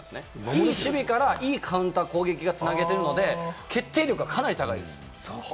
いい守備から、いいカウンター・攻撃に繋げているので、決定力がかなり高いです。